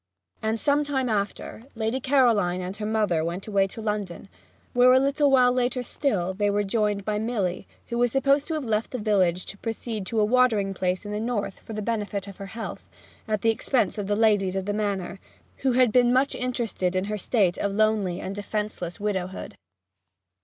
And, some time after, Lady Caroline and her mother went away to London, where a little while later still they were joined by Milly, who was supposed to have left the village to proceed to a watering place in the North for the benefit of her health, at the expense of the ladies of the Manor, who had been much interested in her state of lonely and defenceless widowhood.